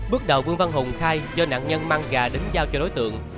bước đầu vương văn hùng khai cho nạn nhân mang gà đến giao cho đối tượng